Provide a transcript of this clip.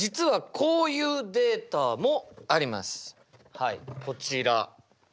はいこちらはい。